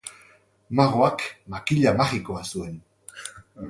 Magoak makila magikoa zuen.